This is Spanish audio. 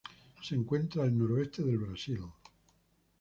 Se encuentra al noreste del Brasil.